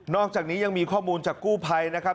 อกจากนี้ยังมีข้อมูลจากกู้ภัยนะครับ